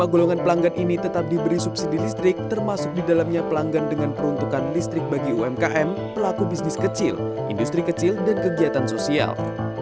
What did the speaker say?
dua golongan pelanggan ini tetap diberi subsidi listrik termasuk di dalamnya pelanggan dengan peruntukan listrik bagi umkm pelaku bisnis kecil industri kecil dan kegiatan sosial